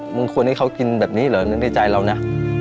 มึงควรให้เขากินแบบนี้เหรอนึกในใจเรานะ